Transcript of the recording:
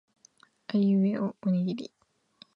あいうえおおにぎり